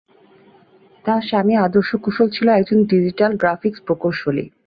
তার স্বামী আদর্শ কুশল ছিলেন একজন 'ডিজিটাল গ্রাফিক্স' প্রকৌশলী।